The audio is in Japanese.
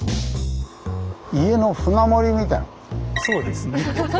そうですね。